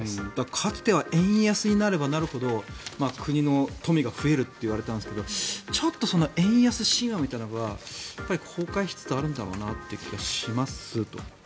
かつては円安になればなるほど、国の富が増えるといわれていたんですがちょっとその円安神話みたいなのが崩壊しつつあるんだろうなという気がしますと。